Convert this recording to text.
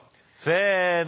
せの。